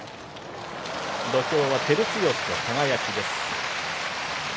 土俵は照強と輝です。